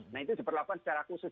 nah itu diperlakukan secara khusus